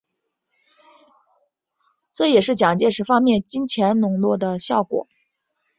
这也是蒋介石方面金钱拢络的效果。